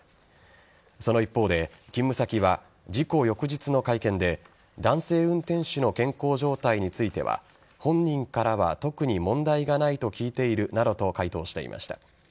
その一方で勤務先は事故翌日の会見で男性運転手の健康状態については本人からは特に問題がないと聞いているなどと回答していました。